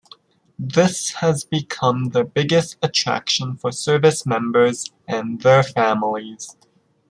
This has become the biggest attraction for service members and their families.